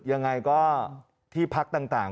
อย่างไรก็ที่พักต่าง